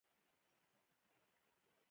آیا دوی انار او انګور نه صادروي؟